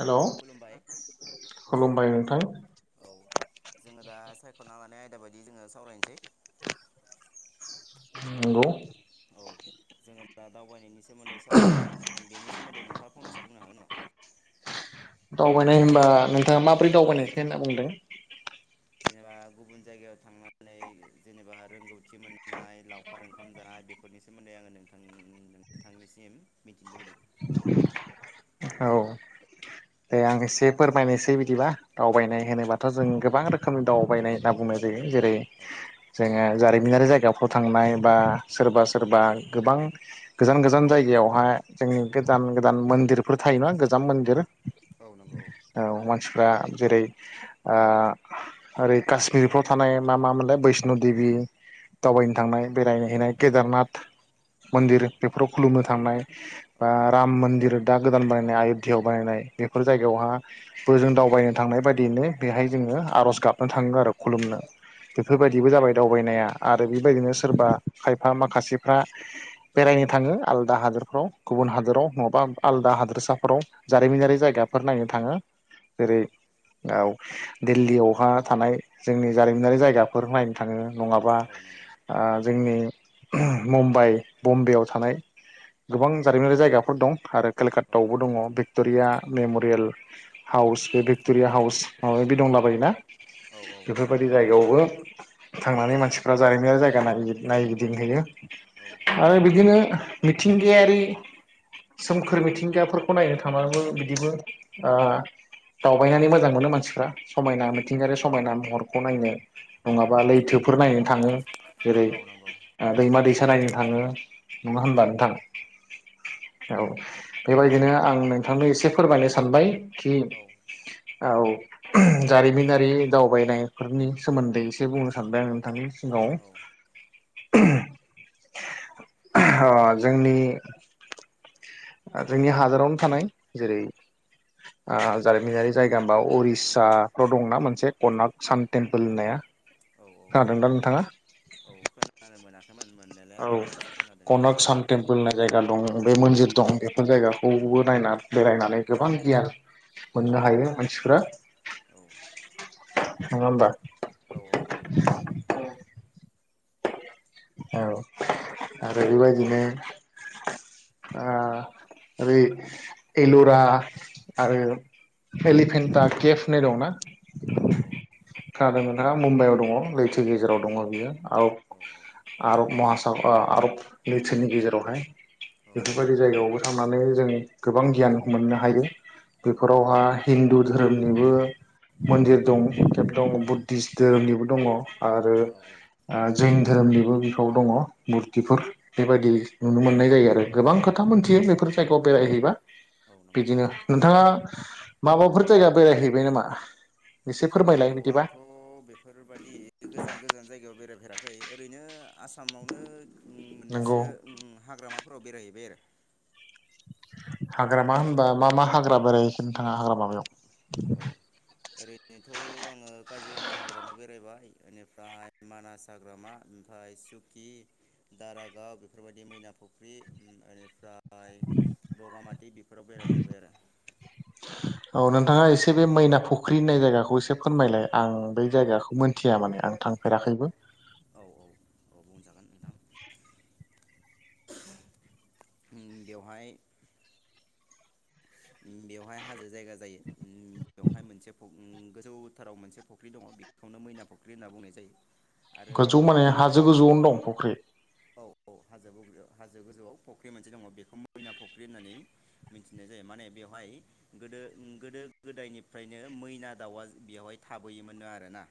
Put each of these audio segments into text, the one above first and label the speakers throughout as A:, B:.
A: हेल
B: खुलुमबाय
A: खलुमबाय थां
B: औ जोङो दा सायखना लानाय आयदा बायदि जोङो सावरायनोसै।
A: नंगौ
B: औ जोङो दा दावबायनायनि सोमोन्दै सावरायनो लायदों बेनि सोमोन्दै नोंथा फंनैसो बुंनो हागोन नामा?
A: दावबायनाय होनबा नोंथाङा माबोरै दावबायनायसै होनना बुंदों?
B: जेनेबा गुबुन जायगायाव थांनानै जेनेबा रोंगौथि मोननाय लावखार ओंखाम जानाय बेफोरनि सोमोन्दै आङो नोंथां नोंथांनिसिम मिथिनो लुबैदों।
A: औ दे आं दे फोरमायनोसै बिदिबा
B: औ
A: दावबायनाय होनोबाथ जों गोबां रोखोम रोखोमनि दावबायनाय होनना बुंनाय जायो जेरै
B: औ औ
A: जोङो जारिमिनारि जायगाफ्राव थांनाय बा सोरबा सोरबा गोबां गोजान गोजान जायगायावहाय जोंनि गोदान गोदान मन्दिरफोर थायो नङा गोजान मन्दिर
B: औ नंगौ औ
A: मानसिफ्रा जेरै ओरै काश्मिरफ्राव थानाय मा मा मोनलाय बैष्न देबि दावबायनो थांनाय बेरायनो हैनाय केदारनाथ
B: औ
A: मन्दिर
B: नंगौ
A: बेफोराव खुलुमनो
B: औ
A: थांनाय
B: औ
A: बा राम मन्दिर दा गोदान बानायनाय आयध्यायाव बानायनाय बेफोर जायगायावहा बोजों दावबायनो थांनाय बायदियैनो बेहाय जोङो आरज गाबनो थाङो आरो खुलुमनो।
B: औ
A: बेफोरबायदिबो जाबाय। दावबायनाया आरो
B: औ
A: बेबायदिनो सोरबा फाइभ माखासेफ्रा बेरायनो थाङो आलदा हादोरफ्राव गुबुन हादोराव नङाबा आलदा हादोरसाफोराव जारिमिनारि जायगाफोर नायनो थाङो
B: औ
A: जेरै दिल्लीयावहा थानाय जोंनि जारिमिनारि जायगाफोर नायनो थाङो नङाबा
B: औ नंगौ
A: जोंनि मुम्बाइ बम्बेयाव थानाय गोबां जारिमिनारि जायगाफोर दं आरो
B: औ
A: केलकातटायावबो दङ बे थुरिया मेमरियेल हाउस बे भिक्टरिया हाउस माबादि
B: औ
A: दंलाबायोना
B: औ
A: बेफोरबायदि
B: नंगौ
A: जायगायावबो थांनानै मानसिफ्रा जारिमिनारि जायगा नाय
B: औ
A: नायगिदिंहैयो आरो बिदिनो मिथिंगायारि सोमखोर मिथिंगाफोरखौ नायनो थांबाबो बि दिबो ओ दावबायनानै मोजां मोनो मानसिफ्रा समायना
B: औ
A: मिथिंगायारि समायना महरखौ नायनो नंङाबा लैथोफोर नायनो थांङो जेरै
B: औ नंगौ
A: दैमा दैसा नायो थांङो नंङा होनबा नोंथां औ बेबायदिनो आं नोंथांनो एसे फोरमायनो सानबाय खिं
B: औ
A: औ जारिमिनारि दावबायनायफोरनि सोमोन्दै एसे बुंनो सानदों आं नोंथांनि सिगाङाव
B: औ
A: अ जोंनि ओ जोंनि हादरावनो थानाय जेरै ओ जारिमिनारि जायगा हबा उरिस्साफ्राव दंना मोनसे कर्नाक सान टेम्पोल होननाया
B: औ
A: खोनादोंदा नोंथांङा
B: औ खोनानो मोनाखैमोन मोननायलाय
A: औ
B: आंङो दिनैसो खोनादों
A: कनक
B: नथाङा बुं
A: सान टेम्पोल होननाय जायगा दं बे मोनजि दं बेफोर जायगाखौबो नायना बेरायनानै गोबां गियान मोननो हायो मानसिफोरा।
B: औ
A: नंङा होनबा?
B: औ औ नंगौ
A: औ औ आरो बेबायदिनो ओ ओरै एलुरा आरो फेलिफेन्टा केफ होननाय दंना?
B: औ
A: खोनादों नोंथाङा मुम्बाइआव दंङ लैथो गेजेराव दंङ बियो औ आरब महा सागर आरब लैथोनि गेजेरावहाय बेफोरबायदि जायगायावबो थांनानै जों गोबां गियान मोननो हायो।
B: औ
A: बेफोरावहाय हिन्दु धोरोमनिबो मन्दिर दं थे दं बुद्धिस धोरोमनिबो दंङ आरो ओ जैन धोरोमनिबो बिखाव दंङ मुरथिफोर बेबायदि नुनो मोननाय जायो आरो गोबां खोथा मोनथियो बेफोर जायगायाव बेरायहैबा
B: औ नंगौ
A: बिदिनो नोंथाङा माबाफोर जायगा बेरायहैबाय नामा? एसे
B: औ
A: फोरमायलाय बिदिबा
B: आंथ बेफोरबायदि गोजान गोजान जायगायाव बेरायफेरा खै ओरैनो आसामावनो उम
A: नोंगौ
B: मोननैसो उम हाग्रामाफोराव बेरायहैबाय आरो।
A: हाग्रामा होनबा मा मा हाग्रा बेरायहैखो नोंथाङा हाग्रामायाव
B: औ ओरैनोथ आंङो काजिरङा हाग्रायाव बेरायबाय। बेनिफ्राय मानास हाग्रामा ओमफाय सुकि दारागाव बेफोरबायदि मैना फुख्रि उम इनिफ्राय फाय बगामाथि बेफोराव बेरायफेरबाय आरो।
A: थांङा एसे बे मैना फुख्रि होननाय जायगाखौ एसे फोरमायलाय आं बै जायगाखौ मोनथिया माने आं थांफेराखैबो।
B: औ औ औ बुंजागोन नोंथां बेवहाय बेवहाय हाजो जायगा जायो ओम बेवहाय मोनसे फु ओ गोजौथाराव मोनसे फख्रि दङ बेखौनो मैना फख्रि होनना बुंनाय जायो। आरो
A: गोजौ माने हाजो गोजौआवनो दं फुख्रि
B: औ औ हाजो हाजो गुदियाव हाजो गोजौआव फख्रि मोनसे दङ बेखौ मैना फुख्रि होननानै मिथिनाय जायो माने बेवहाय गोदो उम गोदो गोदायनिफ्रायनो मैना दाउआ बेवहाय थाबोयोमोननो आरो ना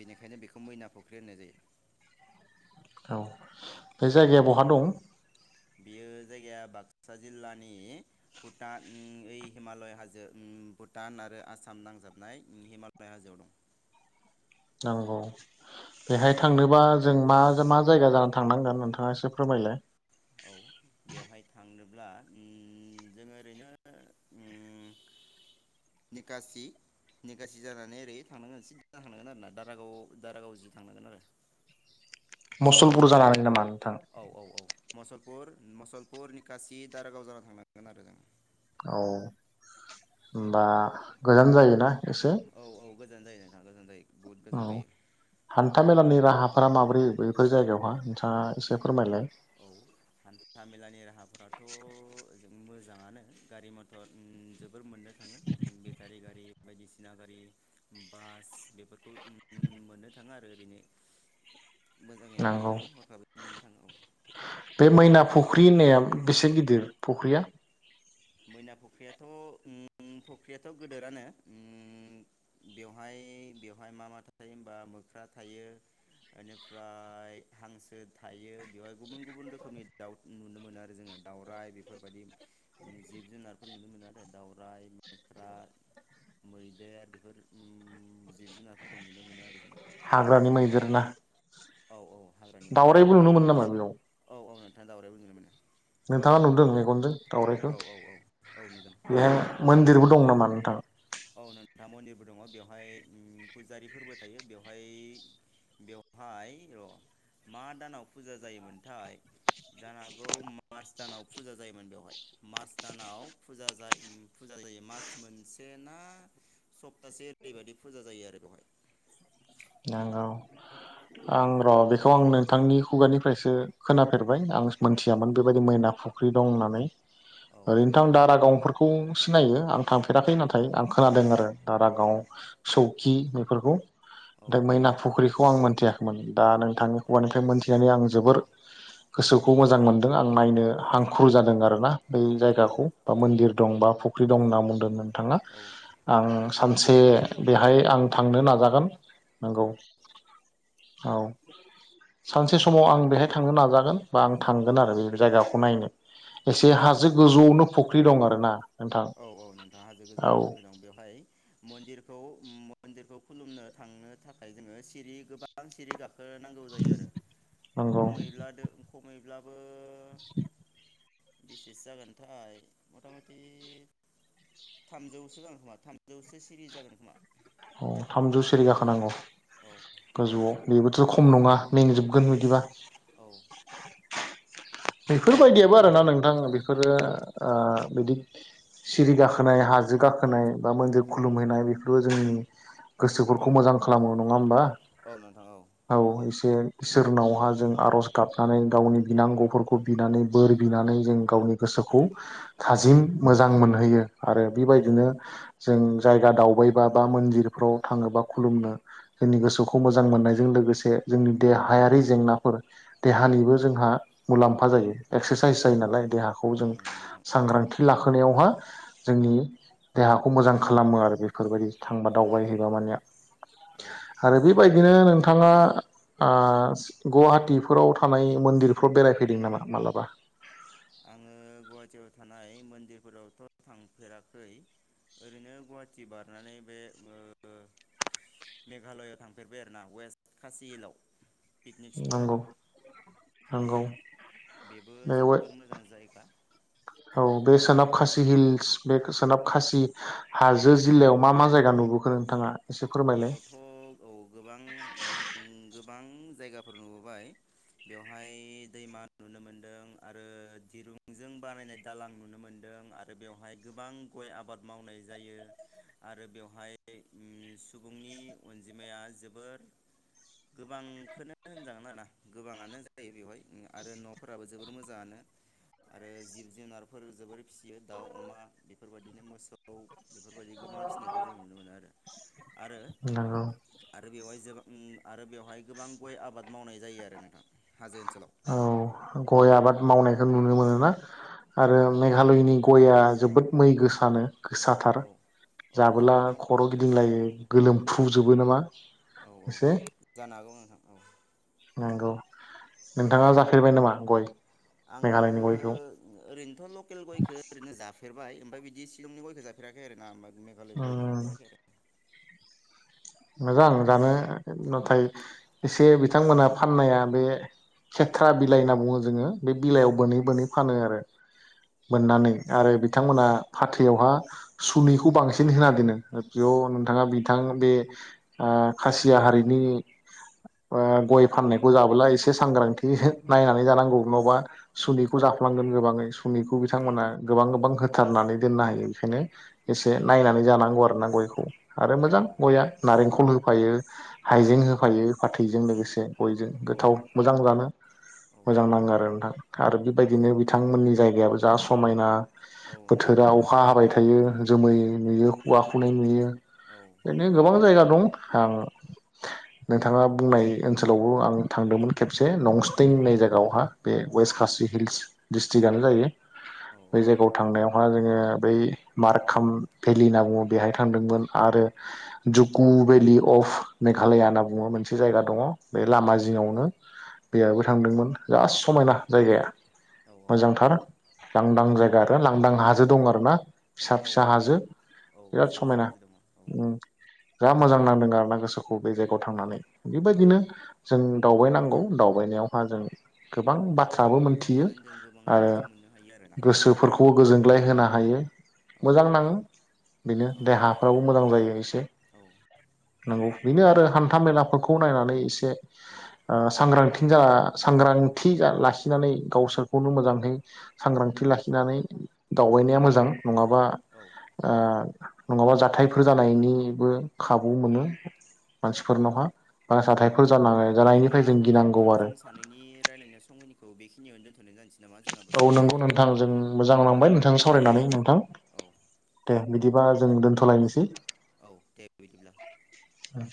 B: बेनिखायनो बेखौ मैना फुख्रि होननाय जायो।
A: औ बे जायगाया बहा दं।
B: बियो जायगाया बाक्सा जिल्लानि भुटान उम ऐ हिमालय हाजो उम भुटान आरो आसाम नांजाबनाय हिमालय हाजोआव दं।
A: नंगौ बेहाय थांनोबा जों मा मा जायगा जानानै थांनांगोन नोंथाङा एसे फोरमायलाय।
B: औ बेवहाय थांनोब्ला उम जोङो ओरैनो उम निकासि निकासि जानानै ओरै थांनांगोन सिद्दा थांनांगोन आरोना दारागाव दारागाव जि थांनांगोन आरो
A: मसलपुर जानानै नामा? नोंथां
B: औ औ औ मसलपुर मुसलपुर निकासि दारागाव जाना थांनांगोन आरो जों
A: औ होनबा गोजान जायोना? एसे
B: औ औ गोजान जायो नोंथां गोजान जायो। बुहुद
A: औ
B: गोजान जायो
A: हान्था मेलानि राहा फोरा माबोरै बेफोर जायगायावहा नोंथाङा एसे फोरमायलाय।
B: औ हान्था मेलानि राहाफोराथ' ओजों मोजाङानो गारि मथर ओ जोब मोननो थाङो बेटारि गारि बायदिसिना गारि बास बेफोरखौ मोननो थाङो आरो ओरैनो मोजाङैनो मोननो
A: नांगौ
B: थाङो हरखाबैनो मोननो थाङो औ
A: बे मैना फुख्रि होननाया बेसे गिदिर फुख्रिया?
B: मैना फख्रियाथ' उम फख्रियाथ गोदोरानो उम बेवहाय बेवहाय मा मा थायो होनबा मोख्रा थायो इनिफ्राय हांसो थायो बेवहाय गुबुन गुबुन रोखोमनि दाउ नुनो मोनो आरो जोङो दाउराइ बेफोरबायदि। जिब जुनारफोर नुनो मोनो आरो दावराइ मोख्रा मैदेर बेफोर उम जिब जुनारफोरखौ नुनो मोनो आरो जोङो।
A: हाग्रानि
B: आरो
A: मैदेर ना?
B: औ औ हाग्रानि मैदेर
A: दाउराइबो नुनो मोनो नामा बेयाव?
B: औ औ नोंथां दावराइबो नुनो मोनो।
A: नोंथाङा नुदों मेगनजों? दाउराइखो।
B: औ औ औ औ नुदों
A: बेहाय मोन्दिरबो दं नामा नोंथां?
B: औ नोंथा मन्दिरबो दङ बेवहाय उम फुजारि फोरबो थायो बेवहाय बेवहाय र मा दानाव फुजा जायोमोनथाय। जानो हागौ मार्च दानाव। फुजा जायोमोन बेवहाय मार्च दानाव फुजा जा फुजा जायो मास मोनसे ना सप्तासे ओरैबायादि फुजा जायो आरो बेवहाय
A: नांगौ आं र बेखौ आं नोंथांनि खुगानिफ्रायसो खोनाफेरबाय आं।
B: औ
A: मोनथियामोन बेबायदि मैना फु ख्रि दं होननानै।
B: औ
A: ओरैनोथ' आं दारागावफोरखौ सिनायो आं। थांफेराखै नाथाय आं खोनादों आरो
B: औ
A: दारागाव सौ खि बेफोरखौ
B: औ
A: फ्राय मैना फुख्रिखौ आं मोनथियाखैमोन दा नोंथांनि
B: औ
A: खुगानिफ्राय मोनथिनानै आं जोबोर गोसोखौ मोजां मोनदों। आं नायनो
B: औ
A: हांखुर जादों आरोना। बै
B: औ
A: जायगाखौ बा मोन्दिर दं बा फुख्रि दं होनना बुंदोंमोन नोंथाङा
B: औ
A: आं
B: बेवहाय
A: सानसे
B: गोबां रोखोमनि
A: बेहाय आं
B: मन्दिर
A: थांनो
B: दङ औ
A: नाजागोन। नंगौ औ सानसे समाव आं बेहाय थांनो नाजागोन। बा आं
B: औ
A: थांगोन आरो
B: नोंथां
A: बे
B: औ
A: जायगाखौ नायनो
B: औ
A: एसे
B: फैजागोन
A: हाजो
B: नोंथां औ
A: गोजौआवनो फुख्रि दं आरो ना।
B: औ औ नोंथाङ हाजो गोजौआव फुख्रि दं बेवहाय मन्दिरखौ म मन्दिरखौ खुलुमनो थांनो थाखाय जोङो सिरि गोबां सिरि गाखो खो नांगौ जायो आरो
A: नंगौ
B: खमैबला दो खमै ब्लाबो
A: [inaudible]
B: बेसेसो जागोनथाय मता मति थामजौसो जागोन खोमा थामजौसो सिरि जागोन खोमा।
A: थामजौ सिरि गाखोनांगौ।
B: औ
A: गोजौआव बेबोथ खम नङा मेंजोबगोन
B: औ
A: बिदिबा।
B: औ औ
A: बेफोरबायदियाबो आरोना नोंथां बेफोरो ओ बिदि सिरि गाखोनाय हाजो गाखोनाय बा मन्दिर खुलुमहैनाय बेफोरो जोंनि गोसोफोरखौ मोजां खालामो नङा होमबा?
B: औ नोंथां औ
A: औ एसे इसोरनावहा जों आरज गाबनानै गावनि बिनांगौफोरखौ खौ बिनानै बोर बिनानै जों गावनि गोसोखौ थाजिम मोजां मोनहोयो। आरो
B: औ
A: बेबायदिनो जों जायगा दावबायबा बा मन्दिरफ्राव थाङोबा खुलुमनो जोंनि गोसोखौ मोजां मोननायजों लोगोसे जोंनि देहायारि जेंनाफोर देहानिबो जोंहा मुलाम्फा जायो।
B: औ
A: एक्सारसाइस जायो नालाय देहाखौ
B: औ
A: जों
B: नंगौ नोंथां औ
A: सांग्रांथि लाखोनायावहा जोंनि देहाखौ मोजां खालामो आरो बेफोरबायदि थांबा
B: औ
A: दावबायहैबा माने
B: औ
A: आरो बेबायदिनो नोंथाङा आ गुवाहाटिफोराव थानाय मन्दिरफ्राव बेराय फैदों नामा मालाबा?
B: आङो गुवाहाटियाव थानाय मन्दिरफोरावथ थांफेराखै ओरैनो गुवाहाटि बारनानै बे ओ मेघालयआव थांफेरबाय आरोना वेस्ट कासि हिलाव। पिकनिक
A: नंगौ
B: स्पटआव औ
A: नंगौ
B: बेबो
A: बेयाव
B: जोबोर [inaudible]
A: औ बे सोनाब खासि हिल्स बे सोनाब खासि हाजो जिल्लायाव मा मा जायगा नुबोखो नोंथाङा? एसे फोरमायलाय?
B: यावथ औ गोबां उम गोबां गोबां जायगाफोर नुबोबाय बेवहाय दैमा नुनो मोनदों आरो दिरुंजों बानायनाय दालां नुनो मोन्दों आरो बेवहाय गोबां गय आबाद मावनाय जायो आरो बेवहाय सुबुंनि अनजिमाया जोबोर गोबांखोनो होनजागोन आरोना गोबाङानो जायो बेवहाय आरो न फोराबो जोबोर मोजाङानो आरो जिब जुनारफोर जोबोर फिसियो दाउ अमा बेफोरबायदिनो मोसौ बेफोरबायदि गोबां फिसिनायखौ जों नुनो मोनो आरो आरो
A: नंगौ
B: आरो बेवहाय जोबां आरो बेवहाय गोबां गय आबाद मावनाय जायो आरो नोंथां। हाजो ओनसोलाव
A: औ गय आबाद मावनायखौ नुनो मोनोना
B: औ
A: आरो
B: औ
A: मेघालयनि गया जोबोद मै गोसानो। गोसाथार
B: औ औ
A: जाबोला
B: जोंथ' औ
A: खर गिदिंलायो गोलोमफ्रुजोब बो नामा।
B: औ औ
A: एसे
B: जानो हागौ नोंथां औ
A: नंगौ नोंथाङा जाफेरबाय नामा गय?
B: आङो
A: मेघालयनि गयखौ?
B: ओरैनोथ लकेल गयखो ओरैनो जाफेरबाय। ओमफ्राय बिदि सिलंनि गयखो जाफेराखै आरो ना मेघालयनि
A: ओ
B: गयखौ जाफेराखै आरो
A: मोजां जानो नाथाय एसे बिथांमोना फाननाया बे खेथ्रा बिलाइ होनना बुङो जोङो बे बिलाइयाव बोनै बोनै फानो आरो मोननानै
B: औ
A: आरो बिथांमोना फाथैआवहा सुनैखौ बांसिन होना दोनो बेयाव नोंथाङा बिथां बे खासिया हारिनि गय फाननायखौ जाबोला एसे सांग्रांथि नायनानै जानांगौ नाबा सुुननिखौ जाफ्लांगोन गोबाङै सनिखौ बिथांमोना
B: औ
A: गोबां गोबां होथारनानै दोननो हायो बेखायनो एसे
B: औ
A: नायनानै जानांगौ आरोना गयखौ आरो मोजां गया नारेंखल होफायो हाइजें होफायो फाथैजों लोगोसे बयजों
B: औ
A: गोथाव मोजां जानो
B: औ
A: मोजां नाङो आरो नोंथां आरो बेबायदिनो बिथांमोननि जायगायाबो जा समायना
B: औ
A: बोथोरा
B: नोंथां
A: अखा
B: जोबोर
A: हाबाय
B: समायना
A: थायो
B: औ
A: जोमै नुयो औवा खुनाय नुयो
B: औ
A: बेनो गोबां जायगा दं आं नोंथाङा बुंनाय ओनसोलावबो आं थांदोंमोन खेबसे हुस्टं
B: औ फिसा हाजो दङ औ
A: होननाय जायगा आवहाय बे व वेस्ट खाासि हिल्स डिस स्रिकआनो जायो बै जायगायाव थांनायावहा जोङो बै मारकाम भेलि होनना बुङो बेहाय थांदोंमोन आरो जुकु भेलि अफ मेघालया होनना बुङो मोनसे जायगा दङ बे लामा जिङावनो दैयाबो थांदोंमोन जास्ट समायना जायगाया मोजांथार लांदां जायगा आरो लांदां हाजो दङ आरो ना फिसा फिसा हाजो बिराद समायना जा मोजां नांदों आरोोना गोसोखौ बे जायगायाव
B: औ
A: थांनानै
B: औ
A: बेबायदिनो जों दावबायनांगौ दावबायनायावहा जों गोबां
B: औ।
A: बाथ्राबो मोनथियो
B: दावबायनानै जों गोबां
A: आरो
B: रोंगौथि मोननो हायो आरोना
A: गोसोफोरखौबो गोजोनग्लाय होनो हायो
B: औ
A: मोजां नाङो बेनो
B: औ
A: देहाफ्राबो मोजां जायो एसे
B: औ
A: नंगौ बेनो आरो हान्था मेलाफोरखौ नायनानै एसे ओ सांग्रांथि जाना सांग्रांथि लाखिनानै गावसोरखौनो मोजाङै सांग्रांथि लाखिनानै दावबायनाया मोजां नङा बा
B: औ
A: आ नङाबा जाथायफोर जानायनि बो खाबु मोनो
B: औ नंगौ
A: मानसिफोरनावहा। [unintelligible]
B: बिदिब्ला
A: जानायनिफ्राय जों गिनांगौ आरो
B: नोंथांजों सानैनि रायलायनाय समखिनिखौ बेखि नियाव दोन
A: औ नंगौ नोंथां जों मोजां
B: औ
A: नांबाय नोंथां सावरायनानै नोंथां
B: औ
A: दे। बिदिबा जों दोन्थलायनोसै।
B: औ दे बिदिब्ला।
A: उम